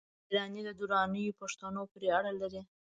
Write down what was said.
شېراني د درانیو پښتنو پوري اړه لري